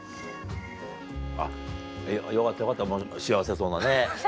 あっよかったよかった幸せそうなね。